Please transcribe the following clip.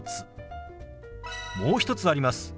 もう一つあります。